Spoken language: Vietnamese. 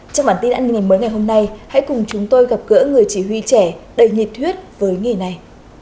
trong bản tin an ninh mới ngày hôm nay hãy cùng chúng tôi gặp gỡ người chỉ huy trẻ đầy nhịp thuyết với nghề này